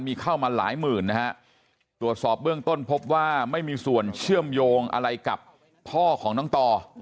มีเข้ามาหลายหมื่นนะฮะตรวจสอบเบื้องต้นพบว่าไม่มีส่วนเชื่อมโยงอะไรกับพ่อของน้องต่อ